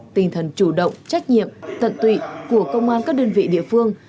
tinh thần chủ động trách nhiệm tận tụy của công an các đơn vị địa phương